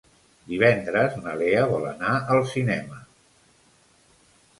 Divendres na Lea vol anar al cinema.